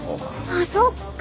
あっそっか